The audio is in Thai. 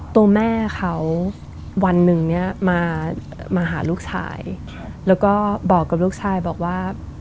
ตัวแม่เขาวันหนึ่งเนี่ยมาหาลูกชายแล้วก็บอกกับลูกชายบอกว่า